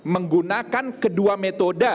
menggunakan kedua metode